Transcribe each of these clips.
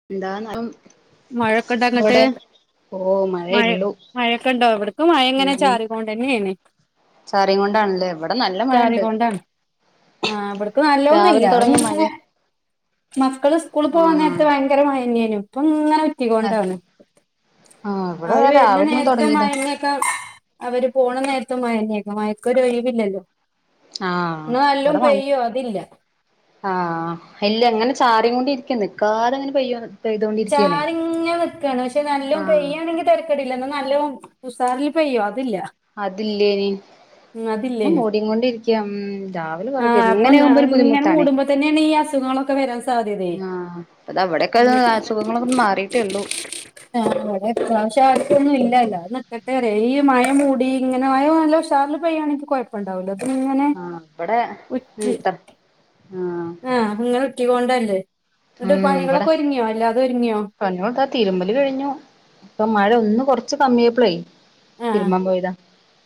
[unintelligible] മയയൊക്കെണ്ടോ അങ്ങട്ട് അവിടെ ഓ മ മഴ മഴൊക്കെ ഇണ്ടോ ഇവിടക്കും മഴ ഇങ്ങനെ ചാറികൊണ്ടെന്നേണ് ചാറി കൊണ്ടാണ്ല്ലേ ഇവടെ നല്ല മഴണ്ട് ആഹ് ഇവടക്ക് നല്ലോന്നുയില്ല രാവിലെ ഒന്ന് തുടങ്ങിയ ഇങ്ങനെ മഴേ മക്കള് സ്കൂള് പോവാൻ ആഹ് നേരത്ത് ഭയ ങ്കര മഴനെനും ഇപ്പ ഇങ്ങനെ ആഹ് ഉറ്റിക്കൊണ്ടാണ് ഇവിടെ അവര് ദാ രാവിലെ ഒന്ന് വരുന്നനേരത്ത് തുടങ്ങിയതാ മഴന്നെ അവര് പോണ നേരത്ത് മഴന്നൊക്കാ മയക്കൊരു ഒഴിവിലല്ലോ ആഹ് ന്നാ നല്ലോ പെയ്യോ അതില്ല ആഹ ഇല്ല ഇങ്ങനെ ചാറികൊണ്ട് രിക്ക്ണ്ട് നിക്കാതെങ്ങനെ പെയ്യാണ് ചാറിങ്ങനെ നിക്കാണ് പക്ഷെ നല്ലോം ആഹ് പെയ്യാണങ്കില് തെരക്കടില്ല ഇന്ന് നല്ലോ ഉസാറില് പെയ്യോ അതില്ല അതില്ലേനി ഇന്നും അതില്ലേനു മൂടികൊണ്ടിരിക്ക ഉം രാവിലെ ആ കെറക്ക അപ്പൊ ഇങ്ങനെ ആകുമ്പോ ഒരു ഇങ്ങനെ ബുദ്ധിമുട്ടാണേ മൂടുമ്പോ തന്നെയാണ് ഈ അസുഖങ്ങളൊക്കെ വരാൻ സാധ്യതയെ ആഹ് താ ഇവിടെക്കെ അസുഖങ്ങളൊന്നു മാറിട്ടേ ഒള്ളു ആ ഇവിടെ ഇപ്രാവശ്യം ആർക്കൊന്നും ഇല്ല ഇല്ലാതെ നിൽക്കട്ടെ ഈ മഴ മൂടി ഇങ്ങനെ മഴനല്ല ഉഷാറ്ല് പെയ്യാണങ്കില് കെഴപ്പണ്ടാവുല ആഹ് ഇവടെ ഉം ആഹ് അങ്ങനെ ഉറ്റികൊണ്ടല്ലേ എന്നിട്ട് ഉം ഇവിടെ പണികളൊക്കെ ഒരുങ്ങ്യോ അല്ലാതെ ഒരുങ്ങ്യോ [unintelligible] തിരുമ്പല് കഴിഞ്ഞു ഇപ്പോ മഴ ഒന്ന് കൊറച്ച് കമ്മിയായപ്പള് തിരുമ്പാ പോയതാ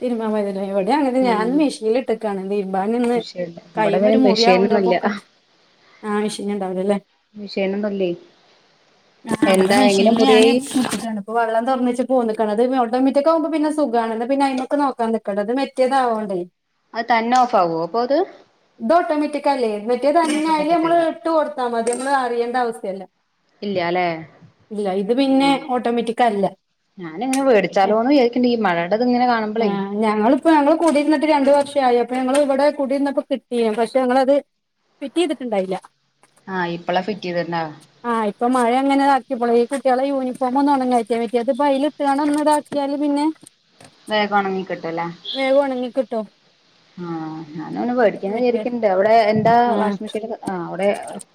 തിരുമ്പാ പോയതാല്ലൊ ഇവിടെ അങ്ങനെന്നെ ഉം ഞാനിന്ന് മിഷീല് ഇട്ടക്കാണ് തിരുമ്പാനിന്ന് കൈമല് ഒരു മുറി ആവണ്ടപ്പോ ആഹ് ആഹ് മിഷിന്ണ്ടാവുലല്ലേ വിഷോണെന്നുല്ലേ ആഹ് ഇവിടെ എന്താ എങ്ങനെ മെഷീനിൽ ഞാൻ മുറിയായി ഇട്ടിട്ടാണ് വെള്ളം തെറന്നച്ച് പോന്ന്ക്ക്ണ് അത് [unintelligible] മാറ്റിക്കാവുമ്പോ പിന്നെ സുഖാണോ പിന്നെ അയ്മക്ക് നോക്കാൻ നിക്കണ്ട ഇത് മറ്റേതാവണ്ടേ അത് തന്നെ ഓഫാവോ അപ്പ അത് ഇത് ഓട്ടോമാറ്റിക്കല്ലേ മറ്റേത് തന്നെ അയ്ല് ഓട്ടോമാറ്റിക് നമ്മള് അല്ല ഇട്ട് കൊടുത്താൽ മതി നമ്മള് അറിയേണ്ട അവശ്യല്ല ഇല്ല്യ ഇന്നലെ ഇല്ല ഇത് പിന്നെ ഓട്ടോമാറ്റിക് അല്ല ഞാനിങ്ങനെ ഞ- മേടിച്ചാലോന്ന് വിചാരിക്ക്ണ്ണ്ട് ഈ മഴണ്ടത്ങ്ങനെ കാണുമ്പളെ ഞങ്ങളിപ്പോ ഞങ്ങങ്ങള് കൂടിരുന്നിട്ട് രണ്ടു വർഷായി അപ്പൊ ഞങ്ങള് ഇവിടെ കുടിരുന്നപ്പോ കിട്ട് ഇല്ല്യ പക്ഷെ ഞങ്ങളത് ഫിറ്റ് ചെയ്തിട്ട്ണ്ടായില്ല ആഹ് ഇപ്പളാ ഫിറ്റ് ചെയ്തിട്ട്ണ്ടാവ ആഹ് ഇപ്പ മഴ അങ്ങനെ താക്കിയപ്പള് ഈ കുട്ട്യോളെ യൂണിഫോമെന്നും ഒണങ്ങായിട്ട് വല്ല്യത്പ്പോ അയ്ല് ഇട്ടാണ്ട് ഒന്ന്ത്ക്ക്യാല് പിന്നെ വേഗം ഒണങ്ങിക്കിട്ടുല്ലേ വേഗം ഒണങ്ങി കിട്ടോ ആഹ് ഞാനെന്ന് വോടിക്കണന്ന് മറ്റേ വിച്ചാരിക്ക്ണ്ട് ഔടെ എന്താ ആ വാഷിംഗ് മിഷീല്ക്കെ ആഹ് ഔടെ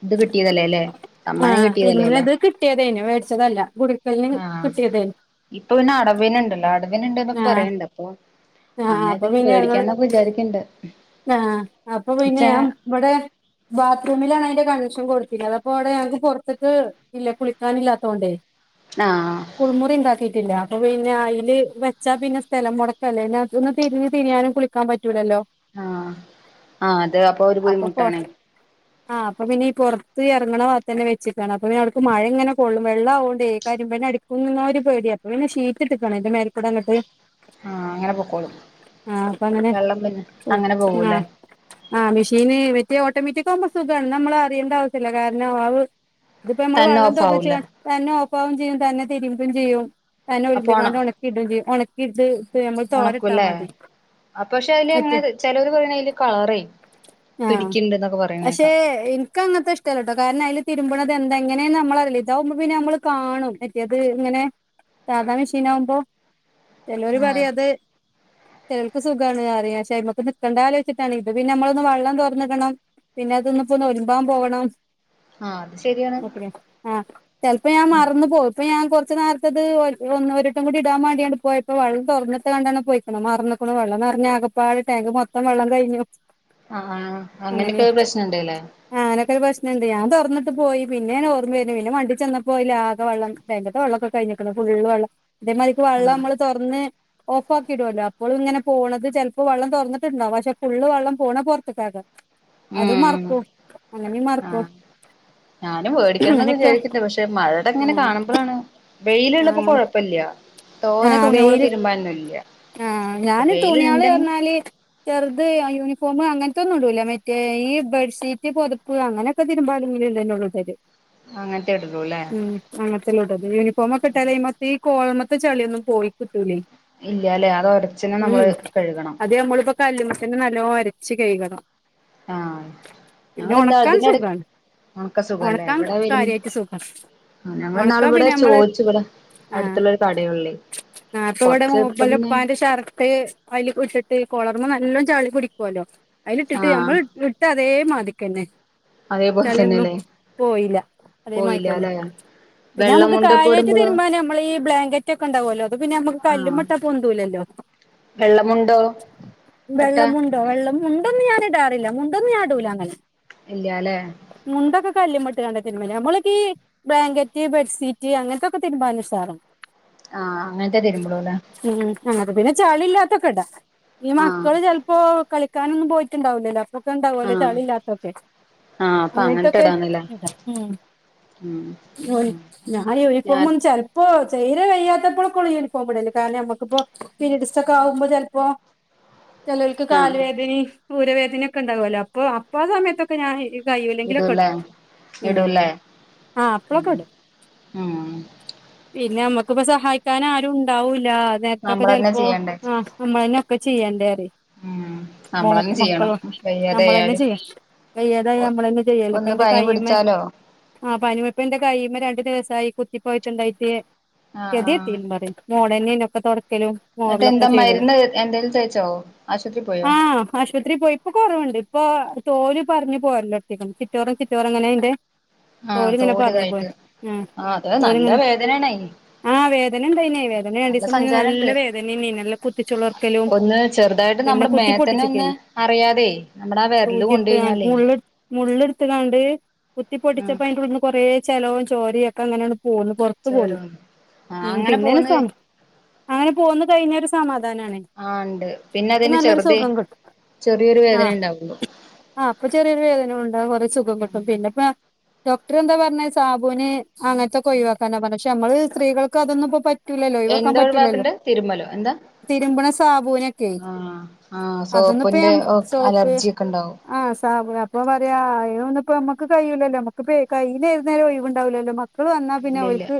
ഇത് കിട്ടിയതല്ലേല്ലെ സമ്മാനം കിട്ടിയതല്ലേല്ലെ കിട്ടിയോതോനു മേടിച്ചതല്ല ഗുരുക്കലിന് ആഹ് കിട്ടിയതേനു ഇപ്പ പിന്നെ അടവിന്ണ്ടല്ലോ അടവിന്ണ്ട്ന്ന്പ്പ പറയ്ണ്ട്പ്പ ആഹ് അപ്പ പിന്നെ ഞങ്ങള് ആഹ് അപ്പ പിന്നെ ച്ചാ ഞാൻ ഇവടെ ബാത്റൂമിലാണ് അയിന്റെ കണക്ഷൻ കൊടുത്തിന്യേ അപ്പോ ഔടെ ഞങ്ങക്ക് പൊറത്ത്ക്ക് ഇല്ല കുളിക്കാനില്ലാത്തോണ്ട് ആഹ് കുളിമുറി ഇണ്ടാക്കിട്ടില്ല അപ്പൊ പിന്നെ അയ്ല് വെച്ച് വെച്ചാ പിന്നെ സ്ഥലം മെടക്കല്ലേന്നെ ഇതെന്ന് തിരിഞ്ഞ് തിരിയാനും കുളിക്കാൻ പറ്റൂലല്ലോ ആ ആഹ അത് അപ്പൊ ഒരു ബുദ്ധിമുട്ടാണ് ആ അപ്പൊ പിന്നെ ഈ പെറത്ത് എറങ്ങണ ബാതന്നെ വെച്ച്ക്കാണ് അപ്പ പിന്നെ [unintelligible] മഴ ഇങ്ങനെ കൊള്ളും വെള്ള ആവോണ്ട് കരിമ്പന അടി കുന്നുന്നോര് പോടിയ അപ്പ പിന്നെ ഷീറ്റ്ട്ടക്കാണ് അയിന്റെ മേൽ കൂടെ അങ്ങട്ട് ആഹ് അങ്ങനെ പൊക്കോളും ആ അപ്പ അങ്ങനെ വെള്ളം പിന്നെ അങ്ങനെ ആ പോകൂല്ലേ [unintelligible] ആഹ് മിഷീന് മറ്റോ ഓട്ടോമാറ്റിക്കാകുമ്പോ സുഖാണ് നമ്മള് അറ്യേണ്ട ആവശ്യല്ല കാരണം അവ് ഇതിപ്പം നമ്മള് തന്നെ വെള്ളം ഓഫ് ആവൂല്ലേ തൊറന്നച്ചാണ്ട് തന്നെ ഓഫാവും ചെയ്യും തന്നെ തിരുമ്പും ചെയ്യും തന്നെ ഒലുമ്പിക്കാണ്ട് ഒണ ക്കിട്ടും ചെയ്യും ഒണക്കിട് ഒണക്കൂല്ലേ ആ പക്ഷേ അയില് അങ്ങനെ ചെലോര് പറയണ് അയില് കളറെ ആഹ് പഷേ എ ക്കങ്ങത്തെ ഇഷ്ടല്ലട്ടോ കാരണം അയില് തിരുമ്പണത് എന്തെങ്ങനെ നമ്മള് അറിലാ ഇതാവുമ്പോ പിന്നെ നമ്മൾ കാണും മറ്റേത് ഇങ്ങനെ സാധാ മെഷീൻ ആവുമ്പോ ചെലോര് ആഹ് പറയും അത് ചെലോൾക്ക് സുഖാണ് അറിയച്ചാ മ്മക്ക് നിക്കണ്ട ആലോച്ചിട്ടാണ് ഇപ്പപിന്നെ നമ്മളൊന്ന് വെള്ളം തൊറന്നിക്കണം പിന്നെ അതൊന്ന് പ്പോന്ന് ഒരുമ്പാൻ പോവണം ആഹ് അത് ശരിയാണ് [unintelligible] ആഹ് ചെലപ്പോ ഞാൻ ഉം മറന്ന് പോകും ഇപ്പോ ഞാൻ കൊറച്ച് നേരത്തത് ഒ ഒരുവട്ടം കൂടി ഇടാൻ വാണ്ടിഅണ്ട് പോയപ്പോ വെള്ളോം തൊറന്നിട്ടകാണ്ടാണ് പോയിക്കണു മറന്ന്ക്ക്ണ് വള്ളം നെറഞ്ഞ് ആകപ്പാടെ ടാങ്ക് മൊത്തം വള്ളം കഴിഞ്ഞു. ആഹ് ആഹ് അങ്ങനെഒക്കെ പ്രശ്നമുണ്ട് ല്ലേ അങ്ങനൊക്കൊരു പ്രശ്നവോണ്ട് ഞാൻ തൊറന്നട്ട് പോയി പിന്നെ ഓർമ്മാ വരണെ പിന്നെ വണ്ടി ചെന്നപ്പോ പോയപ്പോ ആക വള്ളം അയിന്റെ ബഹളൊക്കെ കഴിഞ്ഞിക്കാണു [unintelligible] വള്ളം ആഹ് നമ്മള് തൊറാന്ന് ഓഫ് ആക്കിടുല്ലോ അപ്പോളും ഇങ്ങനെ പോണത് ചെലപ്പോ വെള്ളം തൊറന്നിട്ടുണ്ടാവും പഷേ ഫുള്ള് വള്ളം പോണ പൊറത്ത്ക്കാക്കാ അത് ഉം മറാകുവോ അല്ലെങ്കിൽ മറകുവോ ആഹ് ഞാനും വേടിക്കണം എന്നൊക്കെ വിചാരിക്കുന്നേ പഷേ മഴടെ ഇങ്ങനെ ആഹ് കാണുമ്പോഴാണ് വെയില്ള്ളപ്പോ ആഹ് കൊഴ പ്പ്‌ല്ല്യ ആഹ് വെയില് ആഹ് അപ്പൊ ഞാന് തുണിയള് വെയിലുണ്ടെങ്കി പറഞ്ഞാല് ചെറുത് യൂണിഫോം അങ്ങനത്തൊന്നും ഇടുലാ മറ്റേ ഈ ബെഡ്ഷീറ്റ് പൊതപ്പ് അങ്ങനെ ഒക്ക തിരുമ്പന് [unintelligible] അങ്ങനത്തെ ഇടുള്ളൂല്ലേ അങ്ങനത്തലോട്ടത് യൂണിഫോമൊക്കെ ഇട്ടാല് ഇമത്തെ കോളമത്തെ ചളിയൊന്നും പോയിക്കിട്ടൂലേ ഇല്ല്യല്ലെ അത് ഒരച്ചന്നെ നമ്മള് കഴുകണം കല്ലുമത്തന്നെ നല്ലോ ഒരച്ച് കൈകണം ആഹ് ഞങ്ങളെന്താ ഉണക്കാൻ അതിനെട സുഖാണ് ഒണക്ക് സുഖല്ലേ ഉണക്കാൻ ഇവിടെ വേരും കാര്യായിട്ട് സുഖം ആഹ് ഉണക്കാൻ ഞങ്ങളിന്നാളവിടെ പിന്നെ നമ്മള് ചോദിച്ചു ഇവടെ ആഹ് അടുത്തോള്ളോരു കടയൊള്ളേ ആഹ് ഇപ്പോ ഇവടെ [unintelligible] ഉപ്പാന്റെ ഷർട്ട് അയില് ഇട്ടിട്ട് കൊളറ്മേ നല്ലോ ചാളി പിടിക്കുല്ലോ അയിലിട്ടിട്ട് ആഹ് ഞമ്മള് ഇട്ട് ട്ടതേ മാതിക്കന്നെ അതേപോലെ ചളിയൊന്നും തന്നെല്ലേ പോയില്ല അതേമായിക്കന്നെ പോയില്ലാല്ലേ പിന്നെ വെള്ള നമുക്ക് മുണ്ടൊക്കെ കാര്യാട്ട് ഇടുമ്പളോ തിരുമ്മന് നമ്മളി ബ്ലാങ്ക റ്റൊക്കെണ്ടാവല്ലോ അതുപിന്നെ നമ്മക്ക് ആഹ് കല്ലുമേ ഇട്ടാ പൊന്തൂല്ലോ ണ്ടോ അട്ടാ മുണ്ടോ വെള്ള മുണ്ടൊന്നും ഞാൻ ഇടാറില്ല മുണ്ടൊന്ന് ഞാൻടൂല അങ്ങനെ ഇല്ല്യല്ലേ മുണ്ടൊക്കെ കല്ല്മേ ഇട്ട്കണ്ട് തിരുമല് നമ്മളക്കെയി ബ്ലാങ്കറ്റ് ബെഡ്സീറ്റ് അങ്ങനത്തെക്കെ തീരുമ്പാന് ഉഷാറാണ് ആഹ് അങ്ങനത്തെ തിരുമ്പോളൂല്ലേ ഉം അങ്ങനത്തെ പിന്നെ ചളി ഇല്ലാത്തൊക്കെ ഇടാ ഈ ആഹ് മക്കള് ചെലപ്പോ കളിക്കാനൊന്നും പോയിട്ടുണ്ടാവുലല്ലോ ഒക്കെ ഉണ്ടാവുലോ ആഹ് ചളി ഇല്ലാത്തൊക്കെ ആഹ് അപ്പൊ അങ്ങനത്തെ അങ്ങനത്തൊക്കെ ഇടാന്നില്ലേ ഇടാം ഉം ഉം [unintelligible] ഞായ് ഞാൻ യുനിഫോമും ചെ പ്പോ ചെയ്ര് കയ്യാത്തപ്പോളൊക്കൊള്ളൂ യൂണിഫോം ഇടല് കാരണം നമ്മുക്കിപ്പോ പിരീഡസ് ഒക്കെ ആവുമ്പോ ചെലപ്പോ ചെലോല്ക്ക് കാല് ആഹ് വേദനേം ഊരവേദനൊക്കെ ഇണ്ടാവല്ലോ അപ്പോ അപ്പ ആ സമയത്തൊ ക്കെ ഞാൻ എക്ക് കയിയുല്ലങ്കിലൊക്കെ ഇടൂല്ലേ ഇടും ഉം ഇടൂല്ലേ ആഹ് അപ്പളൊക്കെ ഉം ഇടും ഉം പിന്നെ നമ്മക്കിപ്പ സഹായിക്കാനും ആരും ഉണ്ടാവൂലാ ആ നേരത്തൊക്കെ നമ്മളന്നെ ചെലപ്പോ ചെയ്യണ്ടേ ആഹ് നമ്മള് തന്നെ ഒക്കെ ചെയ്യണ്ടേറയും ഉം നമ്മളന്നെ മോക്ക് ചെയ്യണം മക്കള് നമ്മളന്നെ വയ്യാതായാലും ചെയ്യാ വെയ്യാതായാ നമ്മളെന്നെ ചെയ്യോല്ലോ ഇപ്പ ഒന്ന് എന്റെ പനി കയ്യ്മ്മെ പിടിച്ചാലോ ആഹ് പനിമെ ഇപ്പ ഇന്റെ കയ്യിമ്മെ രണ്ട് ദിവ്സായി കുത്തി പൊയ്ത്ത് ഇണ്ടായിട്ട് ആഹ് ആഹ് കെതെട്ത്തിന്നും പറിം മോളെന്നെയ്ന്നു അപ്പ തൊട്ക്കെലും എന്നെട്ട് എന്താ മര്ന്ന് എന്തേലും തേച്ചോ ആശുപത്രി പോയോ? ആശുപത്രിയി പോയി ഇപ്പ കൊറവ് ഇണ്ട് ഇപ്പൊ തോല് പർഞ്ഞ് പോരെലൊട്ത്തിക്ക്ണ് ചിറ്റോറം ചിറ്റോറം ഇങ്ങനെ അയിന്റെ ആഹ് തോലിങ്ങനെ തോല് പറഞ്ഞു തായിട്ട് പോരും ആഹ് അത് നല്ല തോലിങ്ങനെ വേദനയാണയ്ന് ആഹ് വേദന ഇണ്ടായിനെയ് വേദന രണ്ടീസം മുന്നേ സഞ്ചാരണ്ട് നല്ല വേദനന്നെയ്നി നല്ല കുത്തിച്ചുള്ളെർക്കെലും ഒന്ന് ചെറുതായിട്ട് നമ്മടെ മേത്തെന്നെ ഒന്ന് അറിയാതെയ് നമ്മടെ ആഹ് വെരല് സൂചി കൊണ്ട് എടുത്ത് കഴിഞ്ഞാലെയ് മുള്ള് ഇട്ത്ത് കാണ്ട് കുത്തി ഉം പൊട്ടിച്ചപ്പോ അയിന്റെ ഉള്ള്ന്ന് കൊറേ ചെലോം ചോരിം ഒക്കെ അങ്ങനെ ആണ്ട് പോന്ന് പൊർ ചോര വന്നോ ഉം പിന്നെ ഒര് സമാ അങ്ങനെ പോന്ന് കഴിഞ്ഞാ ഒര് സമാധാനാണ് ആഹ് ഇണ്ട് പിന്നെ അപ്പൊ അതിന് നല്ലൊരു ചെറ്തെ സുഖം കിട്ടും ചെറെയൊര് വേദനെ ആഹ് ഇണ്ടാകൊള്ളു ആഹ് ഇപ്പ ചെറിയൊര് വേദന ഒണ്ട് അയ് കൊറെ സുഖം കിട്ടും പിന്നെ ഇപ്പാ ഡോക്ടറർ എന്താ പർണെ സാബൂന് അങ്ങൻത്തൊക്കെ ഒഴിവാക്കാനാ പർണെ പക്ഷെ അമ്മെൾ സ്ത്രീകൾക്ക് അതൊന്നും ഇപ്പ പറ്റ് റ്റൂലല്ലോ ഒഴ്‌വാക്കാൻ എന്താ പറ്റൂലല്ലോ? ഒഴിവാക്കണ്ടേ തിരുമ്മലോ എന്താ തിര്മ്പ്ണ സാബൂനൊക്കെയ് ആ ആ അതൊന്നും ഇപ്പ സോപ്പിന്റെ ഞമ്മെ സോപ്പ് അലർജി ഒക്കെ ഉണ്ടാവും ആഹ് സാമ്പൂന് അപ്പ പറിയാ ആഹ് അയിന് ഒന്നും ഇപ്പ ഞമ്മെക്ക് കയ്യുല്ലല്ലോ അമ്മെക്ക് ഇപ്പ ഏഹ് കയ്യിൽ ഏത് നേരും ഒഴിവ് ഇണ്ടാവ്‌ലല്ലോ മ ക്കൾ വന്നാ പിന്നെ ഇല്ല ഇല്ല ഓൽക്ക്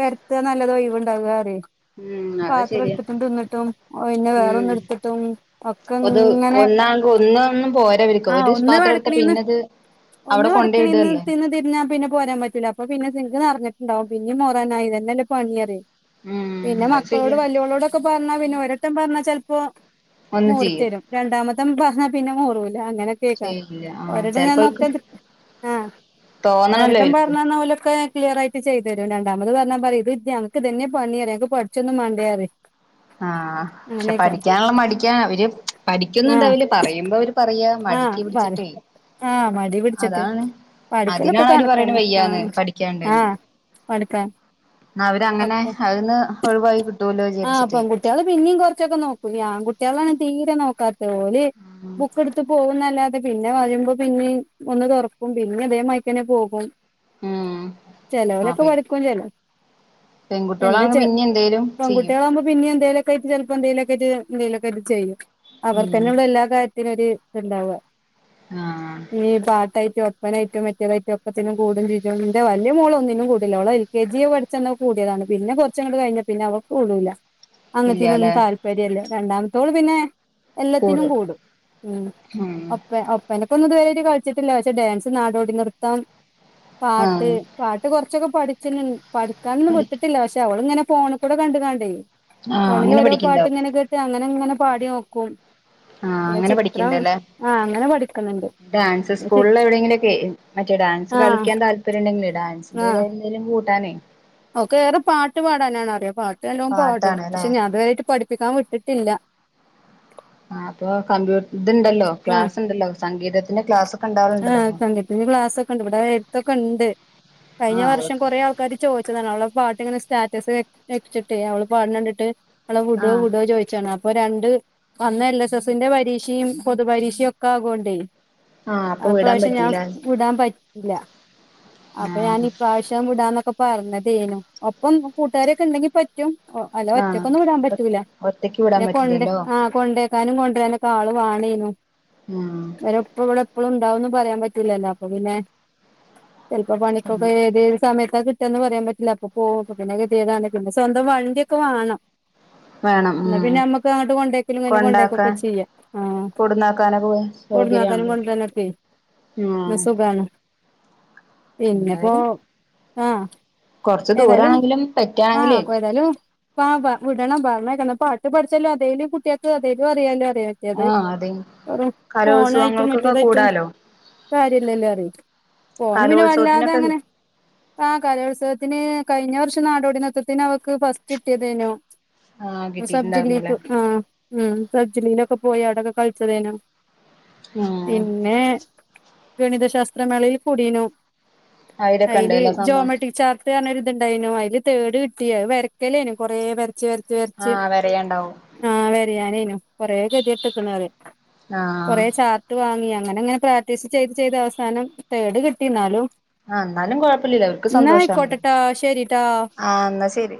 പെര്ത്താന്ന് ല്ലാതെ ഒഴിവ് ഇണ്ടാകാ റയ് ഉം അത് പാത്രം ശരിയാ ഇട്ത്ത്ട്ടും തിന്ന്ട്ടും പിന്നെ വേറെ ഒന്ന് ഇട്ത്ത്ട്ടും ഒ ഒത് ഒന്നാങ്ക് ഒന്ന് ഒന്നും പോര ഇവെര്ക്ക് ആഹ് ഒര് ഒന്ന് പാത്രം ഇട്ത്താ വടക്കണീന്ന് പിന്നെ ഇത് അവ്ടെ കൊണ്ടോയ് ഇട് അല്ലെ തിര്ഞ്ഞാ പിന്നെ പോരാൻ പറ്റൂലാ അപ്പ പിന്നെ സിംഗ് നെർഞ്ഞ്ട്ട് ഇണ്ടാവും പിന്നെ മോറാനായിലെ ഇത് അല്ലെ പണി പറെയ് ഉം പിന്നെ അത് മക്കളോട് ശരിയാ വല്ല്യേളോടൊക്കെ പർണാ പിന്നെ ഒര് വട്ടം പർണാ ചെൽപ്പം ഒന്ന് ചെയ്യും മെറിത്തെരും രണ്ടാമ്മത്തെ നമ്മെൾ പർണാ പിന്നെ മോറൂലാ അങ്ങനെ കേക്കാം ചെയ്യില്ല ആഹ് ഒര് വട്ടം ചെലപ്പോ അവർക്ക് ഞാനൊക്കെ ഇത് ആഹ് ഒര് തോന്നണല്ലോ വട്ടം അവർക്ക് പർണെന്നാ ഓലൊക്കെ ക്ലിയെർ ആയിട്ട് ചെയ്തെരും രണ്ടാമെത് പർണാ പറിം ഇത് ഞങ്ങെക്ക് ഇതെന്നെ പണി പറിം ഞങ്ങെക്ക് പഠിച്ചൊന്നും മാണ്ടെ പറിം ആഹ് പക്ഷെ പഠിക്കാൻ ഇള്ള മടിക്കാണ് അവെര് പഠിക്കൊന്നും ആഹ് ഇണ്ടാവ്‌ല്ലാ പറിയിമ്പം അവെര് പറിയാ ആഹ് മടിക്ക് പറയും പിട്ച്ചിട്ടെയ് ആഹ് മടി പിട്ച്ചിട്ട് പഠിക്കലൊക്കെ അതിനാണ് അവര് പറയണ കണ്ക്കെന്നെ വയ്യാന്ന് ആഹ് പഠിക്കാണ്ട്ന്ന് ആഹ് പട്ക്കാൻ ആഹ് അവെര് അങ്ങനെ അഹ്‌ന്ന് ഒഴിവായി കിട്ടോല്ലോ വിചാര്ച്ച് ആഹ് പെങ്കുട്ടായാൾ പിന്നിം കൊർച്ചൊക്കെ നോക്കും ഈ ആങ്കുട്ടിയാളാണ് തീരെ നോക്കാത്തെ ഓൽ ഉം ബുക്ക് ഇട്ത്ത് പോവുംന്ന് അല്ലാതെ പിന്നെ വരുമ്പോ പിന്നിം ഒന്ന് തൊറക്കും പിന്നിം അതേ മായ്ക്കെന്നെ പോകും ഉം ചെലോലൊക്കെ പഠിക്കും ചെലോ പെങ്കുട്ടിയാളാണ് പിന്നിം എന്തെലും ചെയ്യും പിന്നിം എന്തെലൊക്കെ ആയയിറ്റ് ചെലപ്പോ എന്തെലൊക്കെ ആയിറ്റ് എന്തെലൊക്കെ ആയിറ്റ് ചെയ്യും ഉം അവെർക്കെന്നെ ഒള്ളു എല്ലാ കാരും ത്തിനും ഒര് ഇത് ഇണ്ടാവാ ആഹ് ഇനി പാട്ടായിറ്റോ പ്പന ആയിറ്റും മറ്റെതായിറ്റും ഒക്കത്തിനും കൂടും ചെജ്ജും ഇന്റെ വല്ല്യ മോൾ ഒന്നിനും കൂട് ഇല്ല ഓൾ എൽ കെ ജി പഠി ച്ച അന്ന് കൂടിയെതാണ് പിന്നെ കൊർച്ച് അങ്ങെട്ട് കഴിഞ്ഞാ പിന്നെ അവക്ക് കൂടൂലാ അങ്ങൻത്തിനൊന്നും ഇല്ലാല്ലെ താല്പര്യം ഇല്ല രണ്ടാമത്തോൾ പിന്നെ എല്ലത്തിനും കൂടു കൂടും ഉം ഉം ഒപ്പ ഒപ്പനൊക്ക് ഒന്നും ഇത് വെരെ ആയിറ്റ് കളിച്ച്ട്ട് ഇല്ല പക്ഷെ ഡാൻസ് നാടോടി നൃത്തം പാട്ട് ആഹ് പാട്ട് കൊർച്ചൊക്കെ പഠിച്ചെൽ ഇൺ പഠിക്കാനൊന്നും പഠി വിട്ട്ട്ട് ഇല്ല പക്ഷെ അവൾ ഇങ്ങനെ ഫോണ്ക്കൂടെ കണ്ട് കണ്ടെയ് ആഹ് ഫോണിൽ അങ്ങനെ ഓരോ പാട്ട് പഠിക്കണ്ടാവും ഇങ്ങനെ കേട്ട് അങ്ങനെ ഇങ്ങനെ പാടി നോക്കും ആഹ് പിന്നെ അങ്ങനെ ചിത്രം പഠിക്കണ്ടല്ലേ ആഹ് അങ്ങനെ പഠിക്ക്ണ് ഇണ്ട് ഡാൻസ് സ്കൂൾ എവിടെങ്കിലൊക്കെ മറ്റേ ഡാൻസ് ആഹ് കളിക്ക്യാൻ താല്പര്യം ഇണ്ടങ്കിലെ ഡാൻസിന്റെ ഏതെലും എന്തെലും കൂട്ടാനെയ് ഓക്കേ ഏറെ പാട്ട് പാടാനാണ് അറിയാ പാട്ട് നല്ലാം പാടും പാട്ടാണ് ല്ലേ പക്ഷെ ഞാൻ ഇത് വെരെ ആയിറ്റ് പഠിപ്പിക്കാൻ വിട്ട്ട്ട് ഇല്ല ആഹ് അപ്പൊ കമ്പ്യൂ ഇതുണ്ടല്ലോ ആഹ് ക്ലാസ് ഉണ്ടല്ലോ സംഗീതത്തിന്റെ ക്ലാസ് ഒക്കെ ഉണ്ടാവലുണ്ടല്ലോപ്പ ത്തൊക്കെ ഉണ്ട് കഴിഞ്ഞ വർഷം കൊറേ ആൾക്കാർ ചോദിച്ചതാണ് അവളെ പാട്ട് ഇങ്ങെ സ്റ്റാറ്റസ് വെച്ചിട്ട് അവള് പാടുന്ന കണ്ടിട്ട് വളെ വിടോ ആഹ് വിടോ ചോയിച്ചാണ് അപ്പൊ രണ്ട് അന്ന് എൽ എസ് എസിന്റെ പരീക്ഷിം പൊതു പരീശയൊക്കെ ആകോണ്ടേ ആഹ് അപ്പൊ അടുത്ത വിടാൻ പ്രാവശ്യം ഞാൻ പറ്റിയില്ല വിടാൻ പറ്റില്ല അപ്പൊ ആഹ് ഞാൻീ പ്രാവശ്യം [unintelligible] വിടാന്നൊക്കെ പറഞ്ഞതേനു ഒപ്പം കൂട്ടുകാരൊക്കെ ഉണ്ടെങ്കിൽ പറ്റും ഓ അല്ല ആഹ് ഒറ്റക്കൊന്നും വിടാൻ പറ്റൂല ഒറ്റക്ക് വിടാൻ ഞാ കൊണ്ട് പറ്റില്ലല്ലോ ആഹ് കൊണ്ടേക്കാനും കൊണ്ടുവരാനൊക്കെ ആൾ വണനയനു ഉം വ എപ്പ ഇവിടെ എപ്പോഴുംണ്ടാവുംന്ന് പറയാൻ പറ്റില്ലല്ലോ അപ്പൊ പിന്നെ ചിലപ്പോ ഉം പണിക്കൊക്കെ ഏതേത് സമയത്തൊ കി ന്ന് പറയാൻ പറ്റില്ല അപ്പൊ പോ പിന്നെ ഗതി [unintelligible] സ്വന്തം വണ്ടിയൊക്കെ വേണം വേണം എന്ന ഉം പിന്നെ നമ്മുക്ക് അങ്ങോട്ട് കൊണ്ടോക്കലും ഇങ്ങെ കൊണ്ടേക്ക ഒക്കെ ചെയ്യാം ആഹ് അവിന്നാക്കാനൊ പോ കൊടുന്നക്കാനും കൊണ്ട തന്നക്കെ ഉം സുഖ പിന്നെപ്പോ എന്തായാലും ആഹ് കൊറച്ച് ഏതായാലും ദൂരാണെങ്കിലും ആഹ് പറ്റാണെങ്കിലേ കൊ ഏതാലും ആഹ് വിടണം പറഞ്ഞണാ പാട്ട് പഠിച്ചല്ലോ അതേും കുട്ടികൾക്ക് അതേലും അറിയാലോ അറിയാലോ മറ്റേത് ആഹ് അതെ റ ഫോണായിട്ടും കലോത്സവങ്ങൾക്കൊക്കെ മറ്റേതായിറ്റും കൂടാലോ കാര്യല്ലല്ലോ അറിയി ഫോൺ പിന്നെ വല്ലാതെ കലോത്സവത്തിനൊക്കെ അങ്ങനെ ആഹ് കലോത്സവത്തിന് കഴിഞ്ഞ വർഷം നാടോടിനത്വത്തിന് അവക്ക് കിട്ടിയതേനോ ആഹ് കിട്ടിയിട്ടുണ്ടായിരുന്നുല്ലേ സബ്ജിലേക്ക് ആഹ് ഉം സ്ബ്ജിലിയിലൊക്കെ പോയി അടൊക്കെ കളിച്ചതിനേനും ഉം പിന്നെ ഗണിതശാസ്ത്രമേളൽ കുടീനും അയിലൊക്കെ അതില് ഇണ്ടല്ലോ സമ്മാ ജോമറ്റിക് ചാർട്ട് ഇത്ണ്ടായിോ അതില് തേട് കിട്ടിയ വരക്കലായി നു കൊറെ [unintelligible] വരച്ച് വരച്ച് ആഹ് വരയാണ്ടാവും ആഹ് വെരിയാനനു കൊറെേ ഗതിട്ട്ക്കണ അവര് ആഹ് കൊറേ ചാർ ട്ട് വാങ്ങി അങ്ങനെ അങ്ങനെ പ്രാക്ടീസ് ചെയ്ത് ചെയ്ത് അവസാനം തേഡ് കിട്ടി ന്നാലും ആഹ് എന്നാലും കൊഴപ്പമില്ലില്ല അവർക്ക് സന്തോഷാണല്ലോ ആയിക്കോട്ടെട്ടാ ശരിട്ടാ ആഹ് എന്നാ ശരി